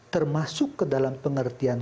termasuk ke dalam pengertian